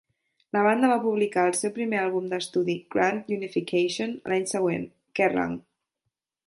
La banda va publicar el seu primer àlbum d'estudi "Grand Unification" l'any següent, Kerrang!